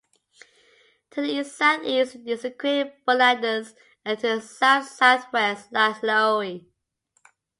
To the east-southeast is the crater Bullialdus, and to the south-southwest lies Loewy.